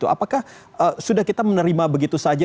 apakah sudah kita menerima begitu saja